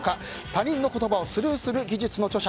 「他人の言葉をスルーする技術」の著者